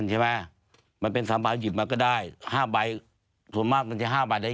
หมวดก็รู้ใช่ไหมว่า๕ใบ